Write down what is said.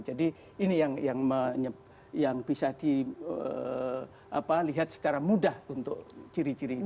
jadi ini yang bisa dilihat secara mudah untuk ciri ciri ini